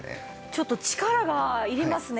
ちょっと力がいりますね。